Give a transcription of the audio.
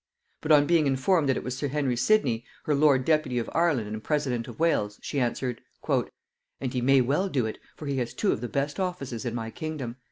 But on being informed that it was sir Henry Sidney, her lord deputy of Ireland and president of Wales, she answered, "And he may well do it, for he has two of the best offices in my kingdom."